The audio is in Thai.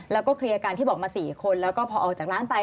แล้วก็เคลียร์กันที่บอกมา๔คนแล้วก็พอออกจากร้านไป